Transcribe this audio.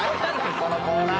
このコーナー！